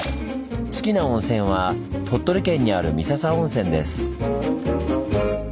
好きな温泉は鳥取県にある三朝温泉です。